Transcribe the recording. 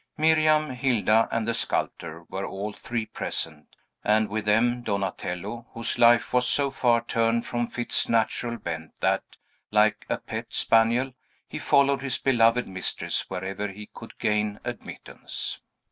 Miriam, Hilda, and the sculptor were all three present, and with them Donatello, whose life was so far turned from fits natural bent that, like a pet spaniel, he followed his beloved mistress wherever he could gain admittance.